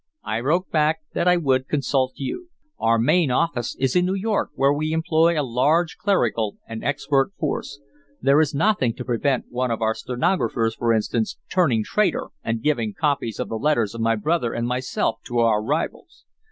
I wrote back that I would consult you. "Our main office is in New York, where we employ a large clerical and expert force. There is nothing to prevent one of our stenographers, for instance, turning traitor and giving copies of the letters of my brother and myself to our rivals.